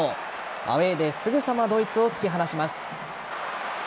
アウェーで、すぐさまドイツを突き放します。